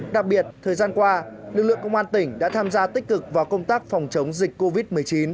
đặc biệt thời gian qua lực lượng công an tỉnh đã tham gia tích cực vào công tác phòng chống dịch covid một mươi chín